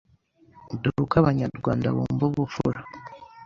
Dore uko Abanyarwanda bumva ubupfura